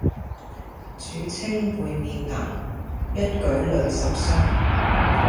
主稱會面難，一舉累十觴。